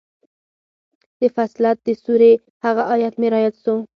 د فصلت د سورې هغه ايت مې راياد سو.